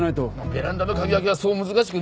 ベランダの鍵開けはそう難しくねえから。